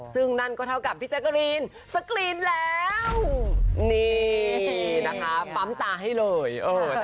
ซึ่งนั่นก็เท่ากับพี่แจ๊กกะรีนสกรีนแล้วนี่นะคะปั๊มตาให้เลย